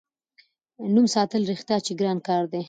نوم ساتل رښتیا چې ګران کار دی.